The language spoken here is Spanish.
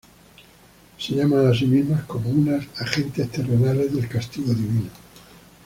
Se llaman a sí mismas, como unas "agentes terrenales del castigo divino".